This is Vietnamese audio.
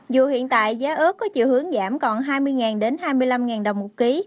dù hiện tại giá ớt có chiều hướng giảm còn hai mươi đến hai mươi năm đồng một ký